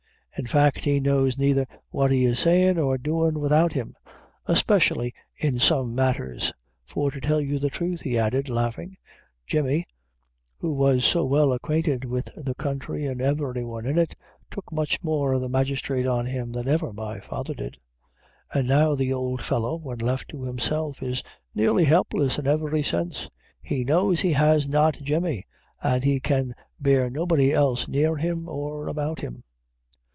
In fact, he knows neither what he is saying or doing without him, especially in some matters; for to tell you the truth," he added, laughing, "Jemmy, who was so well acquainted with the country and every one in it, took much more of the magistrate on him than ever my father did; and now the old fellow, when left to himself, is nearly helpless in every sense. He knows he has not Jemmy, and he can bear nobody else near him or about him."